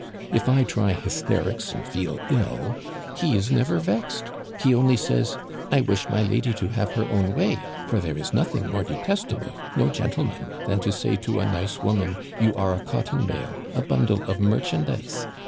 "If I try hysterics and feel ill, he is never vexed; he only says: 'I wish my lady to have her own way, for there is nothing more detestable no gentleman than to say to a nice woman, "You are a cotton bale, a bundle of merchandise."